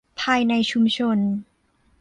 ภายในชุมชน